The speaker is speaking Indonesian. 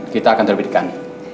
kita akan terbedikan